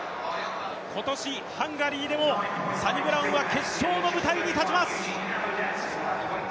今年、ハンガリーでもサニブラウンは決勝の舞台に立ちます。